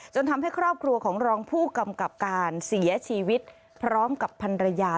ทำให้ครอบครัวของรองผู้กำกับการเสียชีวิตพร้อมกับพันรยา